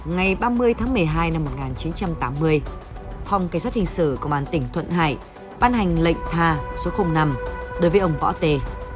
ngày ba mươi tháng một mươi hai năm một nghìn chín trăm tám mươi phòng cảnh sát hình sự công an tỉnh thuận hải ban hành lệnh tha số năm đối với ông võ tề